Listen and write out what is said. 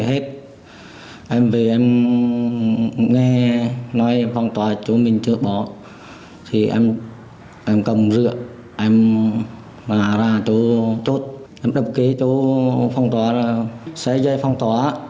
em về em nghe nói phong tỏa chỗ mình chưa bỏ thì em cầm rượu em bà ra chỗ chốt em đập kế chỗ phong tỏa xe dây phong tỏa